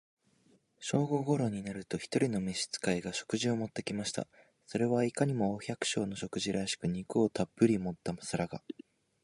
正午頃になると、一人の召使が、食事を持って来ました。それはいかにも、お百姓の食事らしく、肉をたっぶり盛った皿が、